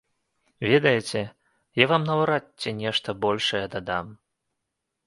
Ведаеце, я вам наўрад ці нешта большае дадам.